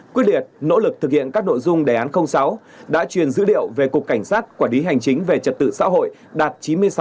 quyết liệt nỗ lực thực hiện các nội dung đề án sáu đã truyền dữ liệu về cục cảnh sát quản lý hành chính về trật tự xã hội đạt chín mươi sáu sáu